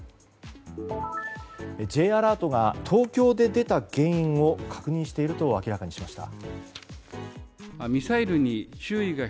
Ｊアラートが東京で出た原因を確認していると明らかにしました。